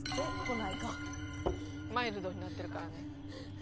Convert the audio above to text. マイルドになってるからね。